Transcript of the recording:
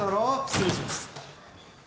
失礼します。